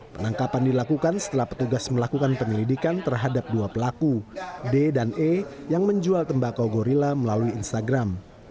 penangkapan dilakukan setelah petugas melakukan penyelidikan terhadap dua pelaku d dan e yang menjual tembakau gorilla melalui instagram